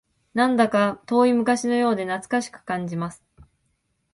なんだか遠い昔のようで懐かしく感じます